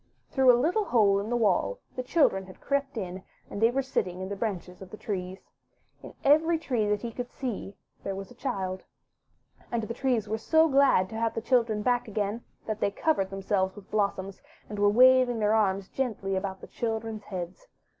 Through a little hole in the wall the children had crept in, and they were sitting in the branches of the trees. In every tree that he could see there was a little child. And the trees were so glad to have the children back again that they had covered themselves with blossoms, and were waving their arms gently above the children's heads.